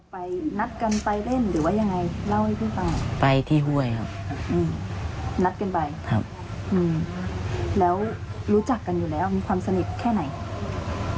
ไปนัดกันไปเล่นหรือว่ายังไงเล่าให้พี่ไป